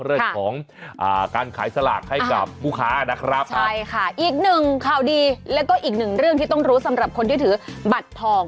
เรื่องของการขายสลากให้กับผู้ค้านะครับใช่ค่ะอีกหนึ่งข่าวดีแล้วก็อีกหนึ่งเรื่องที่ต้องรู้สำหรับคนที่ถือบัตรทอง